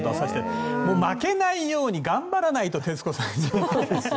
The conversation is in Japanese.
負けないように頑張らないと徹子さんにはね。